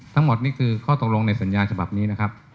ทั้งหมดนี่คือข้อตกลงในสัญญาฉบับนี้นะครับ